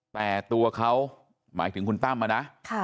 แต่ตัวเขาหมายถึงคุณตั้มนะ